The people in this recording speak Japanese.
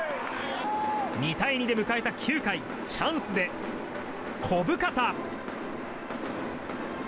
２対２で迎えた９回チャンスで小深田。